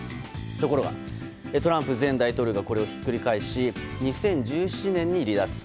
ところが、トランプ前大統領がこれをひっくり返し２０１７年に離脱。